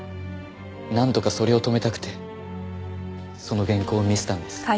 なんとかそれを止めたくてその原稿を見せたんです。